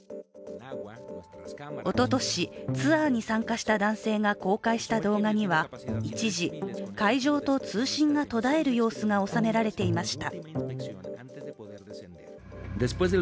おととし、ツアーに参加した男性が公開した動画には一時、海上と通信が途絶える様子が収められていました。